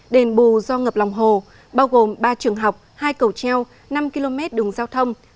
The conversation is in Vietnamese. đền bù do ngập lòng hồ bao gồm ba trường học hai cầu treo năm km đường giao thông